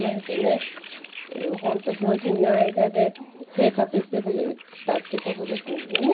本と標品の間で生活していたっていうことですのでね